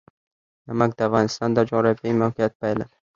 نمک د افغانستان د جغرافیایي موقیعت پایله ده.